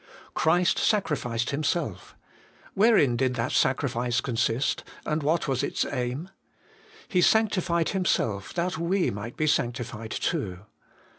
Christ sacrificed Himself wherein did that sacrifice consist, and what was its aim ? He sanctified Him self that we might be sanctified too.